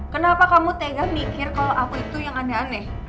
kenapa kamu tega mikir kalau aku itu yang aneh aneh